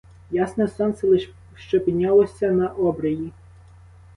Ясне сонце лиш що піднялось на обрії.